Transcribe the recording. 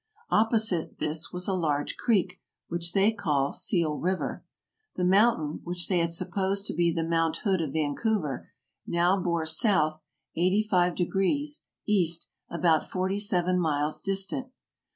Opposite this was a large creek, which they called Seal River. The mountain which they had supposed to be the Mount Hood of Vancouver, now bore S. 850 E., about forty seven miles distant.